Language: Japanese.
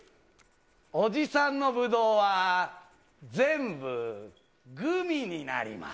おじさんのブドウは、全部グミになります。